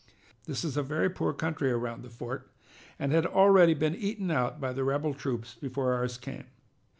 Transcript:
"This is a very poor country around the fort, and had already been eaten out by the rebel troops before ours came.